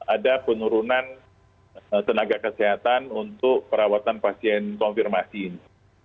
ada penurunan tenaga kesehatan untuk perawatan pasien konfirmasi ini